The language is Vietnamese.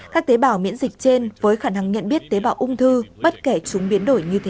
các tế bào miễn dịch trên với khả năng nhận biết tế bào ung thư bất kể chúng biến đổi như thế nào